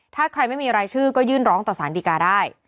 ถ้าใครไม่มีรายชื่อก็ยื่นร้องต่อสารดีกาได้